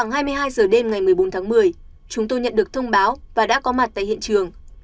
khoảng hai mươi hai h đêm ngày một mươi bốn tháng một mươi chúng tôi nhận được thông báo và đã có mặt tại hiện trường